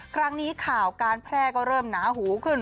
ครั้งนี้ข่าวการแพร่ก็เริ่มหนาหูขึ้น